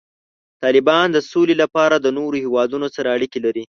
طالبان د سولې لپاره د نورو هیوادونو سره اړیکې لري.